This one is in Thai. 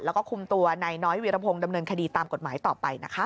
แล้วก็คุมตัวนายน้อยวีรพงศ์ดำเนินคดีตามกฎหมายต่อไปนะคะ